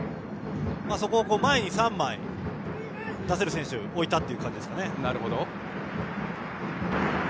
そこで、前に３枚出せる選手を置いたという感じですかね。